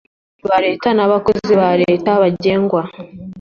abakozi ba Leta n abakozi ba Leta bagengwa